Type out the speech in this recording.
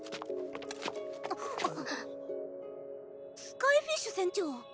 スカイフィッシュ船長。